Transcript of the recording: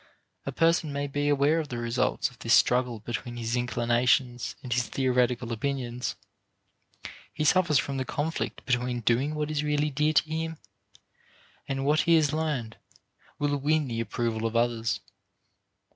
A person may be aware of the results of this struggle between his inclinations and his theoretical opinions; he suffers from the conflict between doing what is really dear to him and what he has learned will win the approval of others.